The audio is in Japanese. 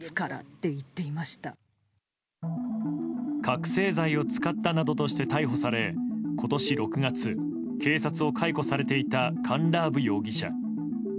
覚醒剤を使ったなどとして逮捕され今年６月、警察を解雇されていたカンラーブ容疑者。